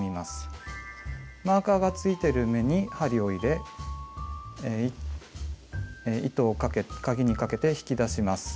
マーカーがついてる目に針を入れ糸をかぎにかけて引き出します。